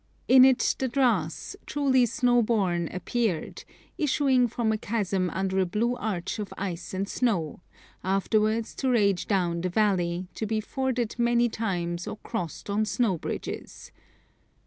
In it the Dras, truly 'snow born,' appeared, issuing from a chasm under a blue arch of ice and snow, afterwards to rage down the valley, to be forded many times or crossed on snow bridges.